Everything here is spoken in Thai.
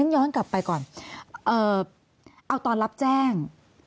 ย้อนกลับไปก่อนเอาตอนรับแจ้ง